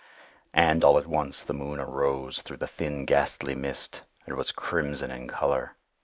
"And, all at once, the moon arose through the thin ghastly mist, and was crimson in color.